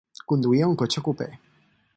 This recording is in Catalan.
Conduïa un cotxe cupè.